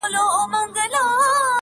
نه مي علم نه دولت سي ستنولای-